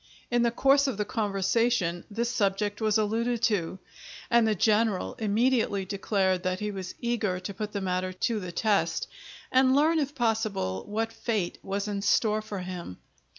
In the course of the conversation this subject was alluded to, and the general immediately declared that he was eager to put the matter to the test, and learn, if possible, what fate was in store for him.